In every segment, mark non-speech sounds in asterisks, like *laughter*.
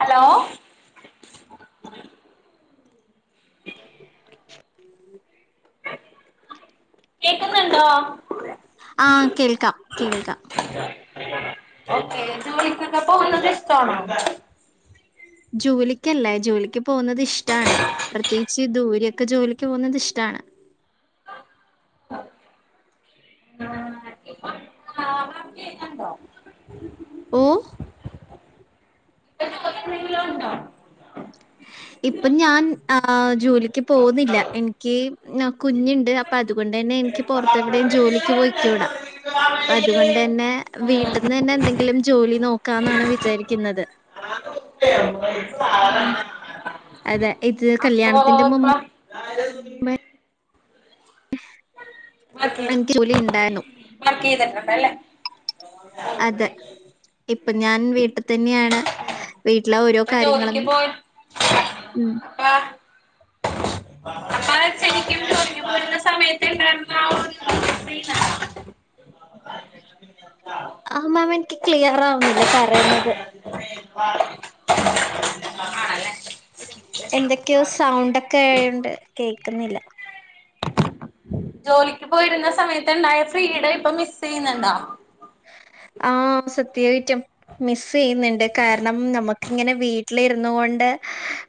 Hello ഉ കേക്കുന്നുണ്ടോ ആഹ് കേൾക്കാം കേൾക്കാം ഓക്കെ ജോലിക്കൊക്കെ പോകുന്നത് ഇഷ്ടാണോ ജോലിക്കല്ലേ ജോലിക്ക് പോകുന്നത് ഇഷ്ടാണ് പ്രത്യേകി പക്ഷേ ദൂര്യൊക്കെ ജോലിക്ക് പോകുന്നത് ഇഷ്ടാണ് *unintelligible* ഏ *unintelligible* ഉണ്ടാ ഇപ്പം ഞാൻ ആ ജോലിക്ക് പോകുന്നില്ല എനിക്ക് നാ കുഞ്ണ്ട് പ്പ അതുകൊണ്ടന്നെ എനിക്ക് പൊറത്തെ എവിടെയും ജോലിക്ക് പോയിക്കൂടാ പ്പ അതുകൊണ്ടന്നെ ഉം വീട്ടിന്നന്നെ എന്തെങ്കിലും ജോലി നോക്കാന്നാണ് വിചാരിക്കുന്നത് *unintelligible* അതെ ഇത് അപ്പൊ കല്യാണത്തിന്റെ ഇപ്പൊ മുമ്പ് എനിക്ക് ജോലി ഉണ്ടായിരുന്നു വർക്കയ്തിട്ടുണ്ടല്ലേ അതെ ഇപ്പൊ ഞാൻ വീട്ട് തന്നെയാണ് വീട്ടിലെ ഓരോ അപ്പൊ കാര്യങ്ങളും ഉം ആ പറ *unintelligible* *unintelligible* ആ മാം എനിക്ക് ക്ലിയർ ആവുന്നില്ല പറയുന്നത് *unintelligible* എന്തൊക്കെയോ സൗണ്ടൊക്കെയോണ്ട് കേക്കുന്നില്ല ജോലിക്ക് പോയിരുന്ന സമയത്തുണ്ടായ ഫ്രീഡം ഇപ്പ മിസെയ്യുന്നുണ്ടോ? ആഹ് സത്യായിട്ടും മിസ് ചെയ്യുന്നുണ്ട് കാരണം നമക്കിങ്ങനെ വീട്ടിലിര്ന്നു കൊണ്ട്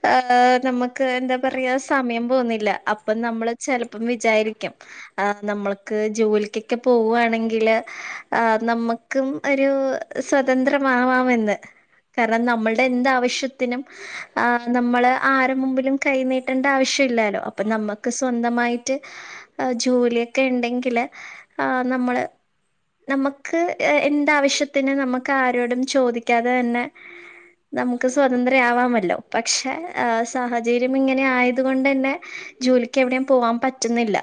ഹ നമുക്ക് എന്താ പറയാ സമയം പോന്നില്ല അപ്പം നമ്മള് ചെലപ്പം വിചാരിക്കും ആ നമ്മൾക്ക് ജോലിക്കൊക്കെ പോവാണെങ്കില് ആ നമുക്കും ഒരു സ്വതന്ത്രമാവാമെന്ന് കാരണം നമ്മള്ടെ എന്താവശ്യത്തിനും ആ നമ്മള് ആരെ മുമ്പിലും കൈനീട്ടണ്ട ആവശ്യമില്ലലോ അപ്പൊ നമ്മുക്ക് സ്വന്തമായിട്ട് ആ ജോലിയൊക്കെ ണ്ടെങ്കില് ആ നമ്മള് നമ്മക്ക് എന്താവശ്യത്തിന് നമ്മക്ക് ആരോടും ചോദിക്കാതെതന്നെ നമുക്ക് സ്വതന്ത്ര ആവാമല്ലോ പക്ഷെ സാഹചര്യം ഇങ്ങനെ ആയത് കൊണ്ടെന്നെ ജോലിക്ക് എവിടോം പോവാൻ പറ്റ്ന്നില്ല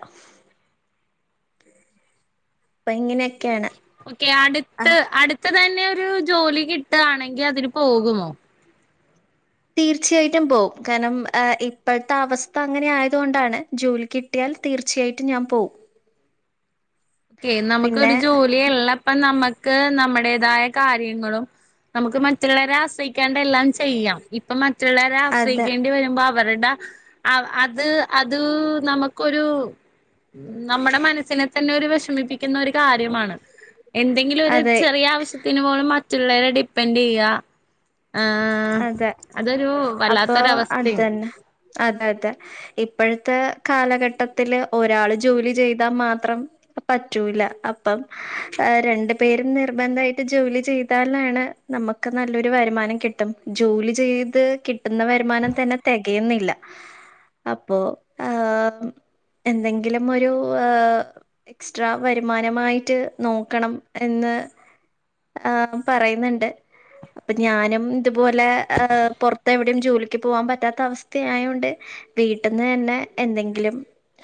പ്പ ങ്ങനെക്കെണ് ഓക്കെ അടുത്ത് അടുത്ത് തന്നെ ഒരു ജോലി കിട്ടാണെങ്കി അതിന് പോകുമോ? തീർച്ചയായിട്ടും പോകും കാരണം ഇപ്പോഴത്തെ അവസ്ഥ അങ്ങനെ ആയതുക കൊണ്ടാണ് ജോലിക്ക് കിട്ടിയാൽ തീർച്ചായിട്ടും ഞാൻ പോവും *unintelligible* ക്കെ നമുക്കൊരു പിന്നെ ജോലിയള്ളപ്പ നമ്മുക്ക് നമ്മുടേതായ കാര്യങ്ങളും നമുക്ക് മറ്റുള്ളവരെ ആശ്രയിക്കാണ്ട എല്ലാം ചെയ്യാം ഇപ്പ മറ്റുള്ളവരെ അതെ ആശ്രയിക്കേണ്ടി വരുമ്പം അവരുടെ അത് അത് നമുക്കൊരു നമ്മുടെ മനസ്സിനെ തന്നെ ഒരു വേഷമം വേഷമിപ്പിക്കുന്നൊരു കാര്യമാണ് എന്തെങ്കിലും ഒരു അതെ ചെറിയ ആവശ്യത്തിന് പോലും മറ്റുള്ളവരെ ഡിപ്പെൻഡ് ചെയ്യ്യാ ആ അതെ അതൊരു അപ്പൊ വല്ലാത്തൊരവസ്ഥയാണ് അതന്നെ അതെ അതെ ഇപ്പോഴത്തെ കാലഘട്ടത്തില് ഒരാള് ജോലി ചെയ്താ മാത്രം പറ്റൂല അപ്പം രണ്ടു പേരും നിർബന്ധായിട്ട് ജോലി ചെയ്താലാണ് നമുക്ക് നല്ലൊരു വരുമാനം കിട്ടും ജോലി ചെയ്ത് കിട്ടുന്ന വരുമാനം തന്നെ തെക തെകയുന്നില്ല അപ്പോ ആ എന്തെങ്കിലും ഒരു ഏഹ്. എക്സ്ട്രാ വരുമാനമായിട്ട് നോക്കണം എന്ന് ങ് പറയുന്ന്ണ്ട് അപ്പൊ ഞാനും ഇതുപോലെ ങ് പൊറത്തെവി ലും ജോലിക്ക് പോവാൻ പറ്റാത്ത അവസ്ഥ ആയോണ്ട് വീട്ടിന്ന് തന്നെ എന്തെങ്കിലും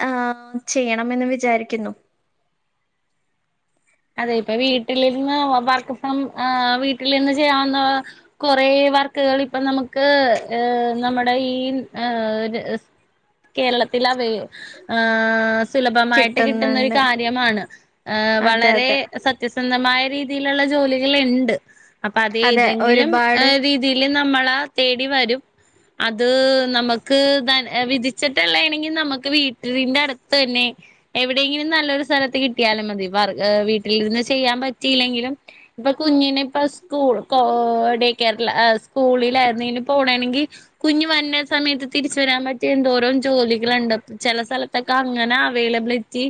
ആഹ് ചെയ്യണമെന്ന് വിചാരിക്കുന്നു അതെ ഇപ്പ വീട്ടിലിര്ന്ന് വർക്ക് ഫ്രോം ആഹ് വീട്ടിലിര്ന്ന് ചെയ്യാവുന്ന കൊറേ വർക്കുകൾ ഇപ്പ നമുക്ക് ങ് നമ്മ ഈ ങ് കേരളത്തിൽ ങ് സുലഭമായിട്ട് കിട്ടുന്ന ഒരു കിട്ടുന്നുണ്ട് കാര്യമാണ് ങ് വള അതെ അതെ സത്യസന്ധമായ രീതിയിലുള്ള ജോലികൾ ഉണ്ട് അപ്പ അത് അതെ ഇതെങ്കിലും ഒരുപാട് ങ് രീതി ഇതില് നമ്മളാ തേടി വരും അത് നമക്ക് ത വിധിച്ചിട്ടുള്ള ആണെങ്കിൽ നമുക്ക് വീട്ടിന്റെ അടുത്തന്നെ എവിടെയെങ്കിലും നല്ലൊരു സ്ഥലത്ത് കിട്ടിയാലും മതി വീട്ടിലിരുന്ന് ചെയ്യാൻ പറ്റിയില്ലെങ്കിലും ഇപ്പൊ കുഞ്ഞിനെ ഇപ്പ സ്കൂൾ കോ ഡേ കെയറ് ങ് സ്കൂളിലായിരുന്ന ഇനി പോണെ നെണെങ്കിൽ കുഞ്ഞ് വര്ന്ന സമയത്ത് തിരിച്ച് വരാൻ പറ്റിയ എന്തോരോം ജോലികള്ണ്ട് ചെല സ്ഥലത്തൊക്കെ അങ്ങനെ അവൈലബിളിറ്റി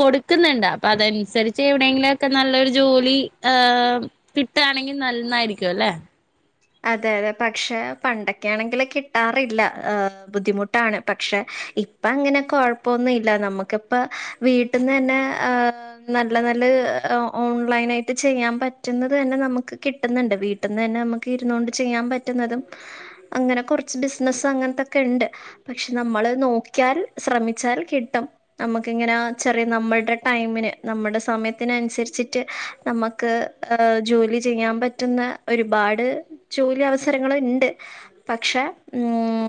കൊടുക്കുന്ന്ണ്ട് അപ്പൊ അത അനുസരിച്ച് എവിടെയെങ്കിലും ഒക്കെ നല്ലൊരു ജോലി ങ് കിട്ടാണെങ്കിൽ നന്നായിരിക്കും ല്ലേ അതെ അതെ പക്ഷെ പണ്ടൊക്കെയാണെങ്കിൽ കിട്ടാറില്ല ബുദ്ധിമുട്ടാണ് പക്ഷെ ഇ പ്പ അങ്ങനെ കൊഴപ്പൊന്നും ഇല്ല നമ്മുക്കിപ്പ വീട്ടിൽന്നന്നെ നല്ല നല്ല ഓൺലൈൻ ആയിട്ട് ചെയ്യാൻ പറ്റുന്നത് തന്നെ നമുക്ക് കിട്ടുന്നുണ്ട് വീട്ടിൽന്ന് തന്നെ നമു ഇരുന്ന് കൊണ്ട് ചെയ്യാൻ പറ്റുന്നതും അങ്ങനെ കുറച്ച് ബിസിനസ്സ് അങ്ങനത്തൊക്കെ ഉണ്ട് പക്ഷെ നമ്മള് നോക്കിയാൽ ശ്രമിച്ചാൽ കിട്ടും നമുക്കിങ്ങനെ ചെറിയ നമ്മള്ടെ ടൈമിന് നമ്മുടെ സമയത്തിനനുസരിച്ചിട്ട് നമ്മക്ക് ങ് ജോലി ചെയ്യാൻ പറ്റുന്ന ഒരുപാട് ജോലി അവസരങ്ങൾ ഇണ്ട് പക്ഷെ ഉം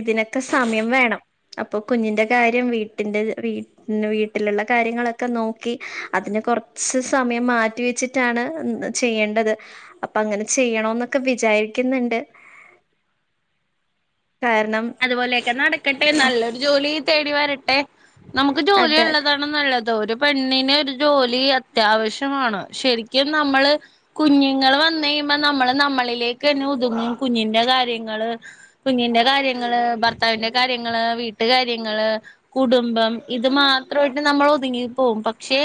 ഇതിനൊക്കെ സമയം വേണം അപ്പൊ കുഞ്ഞിന്റെ കാര്യം വീട്ടിന്റെ വീ വീട്ടിലുള്ള കാര്യങ്ങളൊക്കെ നോക്കി അതിന് കൊറ് ച്ച് സമയം മാറ്റി വെച്ചിട്ടാണ് ചെയ്യേണ്ടത് അപ്പൊ അങ്ങനെ ചെയ്യ ണൊന്നെക്കെ വിചാരിക്കുന്ന്ണ്ട് കാരണം അതുപോലെയൊക്കെ നടക്കട്ടെ നല്ലൊരു ജോലി തേടി വരട്ടെ നമുക്ക് ജോലി അതെ ഉള്ളതാ നല്ലത് ഒരു പെണ്ണിന് ഒരു ജോലി അത്യാവശ്യമാണ് ശരിക്കും നമ്മള് കുഞ്ഞുങ്ങൾ വന്നഴിയുമ്പ നമ്മള് നമ്മളിലേക്ക് തന്നെ ഒതുങ്ങും കുഞ്ഞിന്റെ കാര്യങ്ങള് കുഞ്ഞിന്റെ കാര്യങ്ങള് ഭർത്താവിന്റെ കാര്യങ്ങള് വീട്ട് കാര്യങ്ങള് കുടുംബം ഇത് മാത്രമായിട്ട് നമ്മൾ ഒതുങ്ങി പോവും പക്ഷെ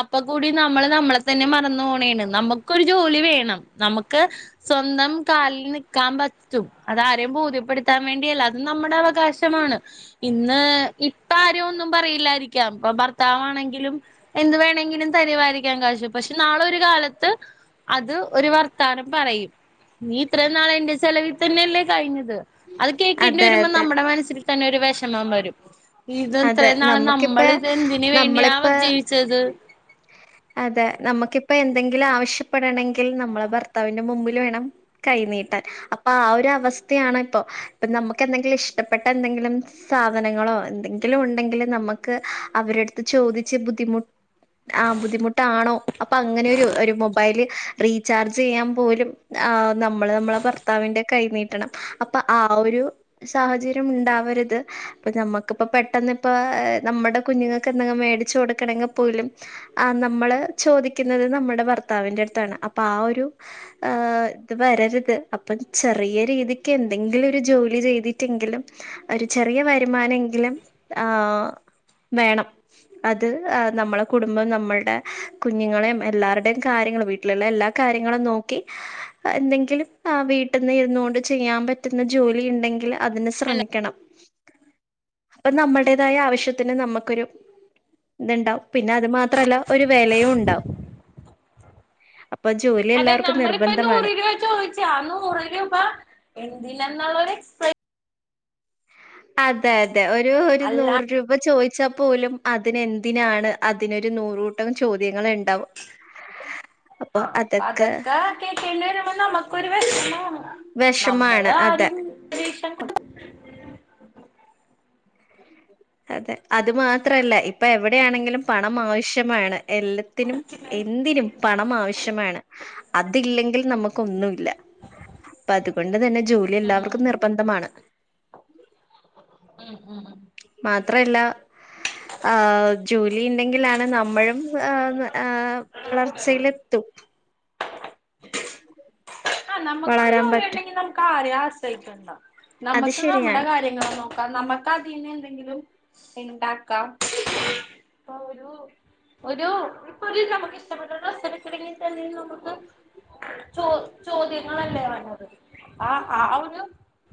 അപ്പ കൂടി നമ്മള് നമ്മളെ തന്നെ മറന്നു പോണേണ് നമുക്കൊരു ജോലി വേണം നമുക്ക് സ്വന്തം കാലിൽ നിക്കാൻ പറ്റും അതാരെയും ബോധ്യപ്പെടുത്താ ൻ വേണ്ടിയല്ല അത് നമ്മുടെ അവകാശമാണ് ഇന്ന് ഇപ്പ ആരും ഒന്നും പറയില്ലായിരിക്കാം ഇപ്പൊ ഭർത്താവാണെങ്കിലും എന്ത് വേണെങ്കിലും തരുവായിരിക്കാം കാശ് പക്ഷെ നാളെ ഒരു കാലത്ത് അത് ഒരു വർത്താനം പറയും നീ ഇത്രയും നാളെന്റെ ചെലവിൽ തന്നെയല്ലേ കഴിഞ്ഞത് അത് കേൾക്കേണ്ടി അതെ വരുമ്പോ അതെ നമ്മുടെ മനസ്സിൽ തന്നെരു വെഷമം വരും ഇത് അതെ ഇത്രയും നാള് നമുക്കിപ്പ നമ്മള് ഇതെന്തിന് വേണ്ടിയാ നമ്മളിപ്പ ജീവിച്ചത് അതെ നമുക്കിപ്പ എന്തെങ്കിലും ആവശ്യപ്പെടണെങ്കിൽ നമ്മളെ ഭർത്താവിന്റെ മുമ്പിൽ വേണം കൈനീട്ടാൻ അപ്പൊ ആഹ് ഒരു അവസ്ഥയാണ് ഇപ്പൊ ഇപ്പൊ നമുക്ക് എന്തെങ്കിലും ഇഷ്ടപ്പെട്ട എന്തെങ്കിലും സാധനങ്ങളോ എന്തെങ്കിലും ഉണ്ടെങ്കിൽ നമുക്ക് അവരടുത്ത് ചോദിച്ച് ബുദ്ധിമു ആഹ് ബുദ്ധിമുട്ടാണോ അപ്പൊ അങ്ങനൊ രു ഒരു മൊബൈല് റീചാർജ് ചെയ്യാൻ പോലും ആഹ് നമ്മള് നമ്മളെ ഭർത്താവിന്റെ കൈ നീട്ടണം അപ്പ ആഹ് ഒരു സാഹചര്യം ഉണ്ടാവരുത് അപ്പൊ നമ ഇപ്പ പെട്ടന്ന് ഇപ്പ നമ്മടെ കുഞ്ഞുങ്ങൾക്ക് എന്തെങ്കും മേടിച്ചു കൊടുക്കണെങ്കി പോലും ആഹ് നമ്മള് ചോദിക്കുന്നത് നമ്മുടെ ഭർത്താവിന്റെ അടുത്താണ് അപ്പൊ ആഹ് ഒരു ങ്ങാ ഇത് വരരുത് അപ്പം ചെറിയ രീതിക്ക് എന്തെങ്കിലൊരു ജോലി ചെയ്തിട്ടെങ്കിലും ഒരു ചെറിയ വരുമാനെങ്കിലും ആഹ് വേണം അത് നമ്മളെ കുടുംബം. നമ്മള്ടെ കുഞ്ഞുങ്ങളെയും, എല്ലാര്ടേം കാര്യങ്ങൾ വീട്ടി ട്ട്ലുള്ള എല്ലാ കാര്യങ്ങളും നോക്കി.. എന്തെങ്കിലും വീട്ടിൽന്ന് ഇരുന്ന് കൊണ്ട് ചെയ്യാൻ പറ്റ് പറ്റുന്ന ജോലി ഇണ്ടെങ്കിൽ അതിന് ശ്രമിക്കണം. അപ്പൊ നമ്മൾടേതായ ആവശ്യത്തിന് നമുക്കൊരു ഇതുണ്ടാവും. പിന്നെ അത് മാത്രല്ല ഒരു വെലയും ഉണ്ടാകും. അപ്പൊ ജോലി അതെ. എല്ലാവർക്കും നമ്മളിപ്പൊ നൂറ് നിർബന്ധമാണ് രൂപ ചോദിച്ച നൂറ് രൂപ എന്തിനെന്നുള്ളൊരു എക്സ്പ്ര അതെ അതെ. ഒരു ഒരു അല്ല നൂറ് രൂപ ചോദിച്ച ച്ചാ പോലും അതിനെന്തിനാണ്? അതിനൊരു നൂറൂ കൂട്ടം ചോദ്യങ്ങളുണ്ടാവും. അപ്പൊ അതൊക്കെ കേക്കേണ്ടിരുമ്പോ നമുക്കൊരുവെഷമാവും നമ്മള് വിഷമാണ് അത് ആരും അതെ അതെ. അത് മാത്രല്ല ഇപ്പൊ എവിടെയാണെങ്കിലും പണം ആവശ്യമാണ്. എല്ലത്തിനും എന്തിനും പണം ആവശ്യമാണ്. അതില്ലെങ്കിൽ നമുക്കൊന്നുല്ല. അപ്പൊ അതുകൊണ്ട് തന്നെ ജോലി എല്ലാവർക്കും നിർബന്ധമാണ്. മം മം. മാത്രല്ല, ആഹ് ജോലി ഇണ്ടെങ്കിലാണ് നമ്മയും ഏഹ് വളർച്ചയിലെത്തും. ആ നമുക്കൊരു വളരാൻ ജോലി പറ്റും ഉണ്ടെങ്കിൽ നമുക്ക് ആരെയും ആശ്രയിക്കണ്ട. അത് നമുക്ക് നമ്മുടെ ശരിയാണ് കാര്യങ്ങൾ നോ ക്കാം നമ്മക്ക് അതിന്ന് എന്തെങ്കിലും ഇണ്ടാക്കാം. ഇപ്പൊ ഒരു ഒരു ഇപ്പോ നമുക്ക് ഇഷ്ടപ്പെട്ടര് ഡ്രസ്സ്‌ എടുക്കണങ്കിൽ തന്നെ നമുക്ക് ചോ ചോദ്യങ്ങളല്ലേ വര്ണത്. ആ ആ ഒരു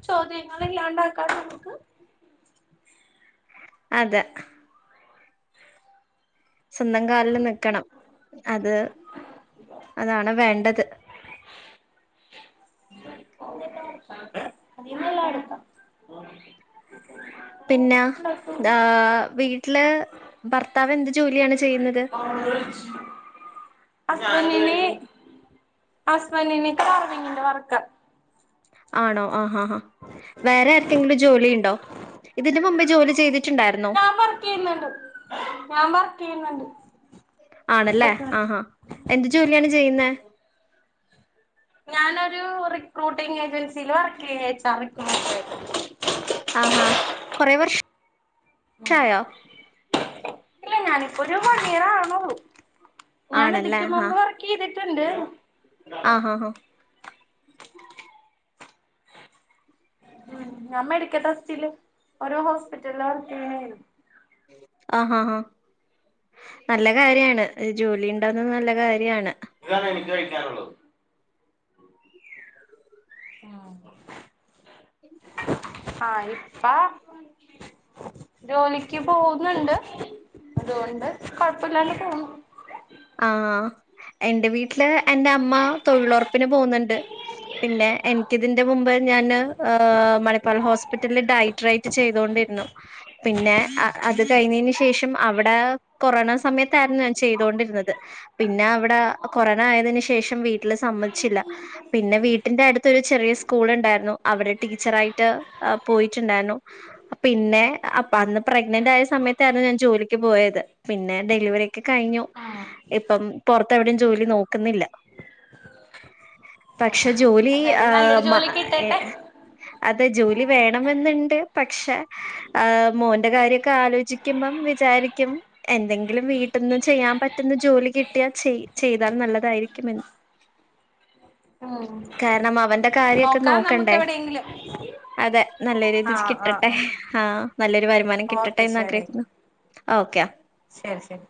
ചോദ്യങ്ങള് ഇല്ലാണ്ടാക്കാൻ നമുക്ക് അതെ. സ്വന്തം കാലിൽ നിക്കണം. അത് *inaudible* അതാണ് വേണ്ടത്. അതിന്നല്ല എടുക്കാം *unintelligible* പിന്നെ... ആഹ് വീട്ടില് ഭർത്താവ് എന്ത് ജോലിയാണ് ചെയ്യുന്നത്? *inaudible* ഹസ്ബൻഡ്ന്.. ഹുസ്ബൻഡ് ന് *unintelligible* വർക്കാ ആണോ ആഹാ ആഹാ. വേറെ ആർക്കെങ്കിലും ജോലി ഇണ്ടോ? ഇതിന്റെ മുമ്പേ ജോലി ചെയ്തിട്ടുണ്ടായിരുന്നോ? ഞാൻ വർക്ക് ചെയ്യുന്നുണ്ട്. ഞാൻ വർക്ക് ചെയ്യുന്നണ്ട് ആണല്ലേ. ആഹാ എന്ത് ജോലിയാണ് ചെയ്യുന്നെ? ഞാനൊരു റിക്രൂട്ടിംഗ് ഏജൻസിൽ വർക്ക് ചെയ്യ *unintelligible* ആഹാ കൊറെ വർഷായോ? ഇല്ല. ഞാനിപ്പോ ഒരു വൺഇയാറാവുന്നള്ളു. ഞാന് ആണല്ലേ ഇതിക്കും മുൻപ് വർ ക്കി ചെയ്തിട്ടുണ്ട്. ആഹ് ആഹ് ആഹ്. മം. ഞാൻ മെഡിക്കൽ *unintelligible* ഓരോ ഹോസ്പിറ്റലില് വർക്ക്‌ ചെയ്യാ ആഹാ ആഹാ. നല്ല കാര്യാണ്. ജോലി ഇണ്ടാവുന്നത് നല്ല കാര്യാണ്. ഇതാണ് എനിക്ക് കഴിക്കാനുള്ളത്. മം ആഹ് ഇപ്പാ ജോലിക്ക് പോകുന്നുണ്ട്. അതുകൊണ്ട് കൊഴപ്പില്ലാണ്ട് പോവുന്നു. ആഹ്. എന്റെ വീട്ടില് എന്റെ അമ്മ തൊഴിലുറപ്പിന് പോകുന്ന്ണ്ട്. പിന്നെ എനിക്കിതിന്റെ മുമ്പ് ഞാന് മണിപ്പാൽ ഹോസ്പിറ്റലില് ഡൈ ട്രാറ്റ് ചെയ്തൊണ്ടിരുന്നു. പിന്നെ അത് കഴിഞ്ഞതിന് ശേഷം, അവിടെ കൊറോണ സമയത്തായിരുന്നു ഞാൻ ചെയ്തൊണ്ടിരുന്നത്. പിന്നെ അവ്ടെ കൊറോണ ആയതിന് ശേഷം വീട്ടില് സമ്മതിച്ചില്ല. പിന്നെ വീട്ടിന്റെ അടു ത്തൊരു ചെറിയ സ്കൂള്ണ്ടായിരുന്നു അവിടെ ടീച്ചറായിട്ട് പോയിട്ടുണ്ടായിരുന്നു പിന്നെ അപ്പൊ അന്ന് പ്രഗ്നന്റ് ആയ സമയത്തായിരുന്നു ഞാൻ ജോലിക്ക് പോയത് പിന്നെ ഡെലിവറി ഒക്കെ കഴിഞ്ഞു ഇപ്പം പൊറത്ത് എവിടേം ജോലി നോക്കുന്നില്ല പക്ഷെ ജോലി ആ മ എ ഉം അത് ജോലി വേണമെന്ന്ണ്ട്. പക്ഷെ മോന്റെ കാര്യൊക്കെ ആലോചി ക്കുമ്പം വിചാരിക്കും എന്തെങ്കിലും വീട്ടിന്ന് ചെയ്യാൻ പറ്റുന്ന ജോലി കിട്ടിയാൽ ചെയ് ചെയ്താൽ നല്ലതായിരിക്കുമെന്നു കാരണം അവന്റെ ആഹ് കാര്യൊക്കെ നോക്കണ്ടേ അതെ നല്ലൊരു ഇത് ആഹ് ആഹ് കിട്ടട്ടെ ആഹ് ആഹ നല്ലൊരു വരുമാനം കിട്ടട്ടെ ഓക്കെ എന്ന് ശരി ആഗ്രഹിക്കുന്നു ഓക്കെയാ ശരി ശരി